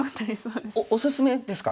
おすすめですか